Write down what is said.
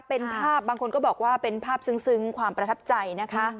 เป็นภาพบางคนก็บอกว่าเป็นภาพซึ้งความประทับใจนะคะ